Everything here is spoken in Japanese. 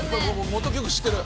元曲知ってる。